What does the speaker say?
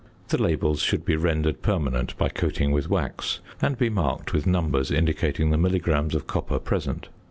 The labels should be rendered permanent by coating with wax, and be marked with numbers indicating the milligrams of copper present.